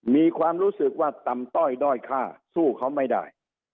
มีความรู้สึกว่าต่ำต้อยด้อยค่าสู้เขาไม่ได้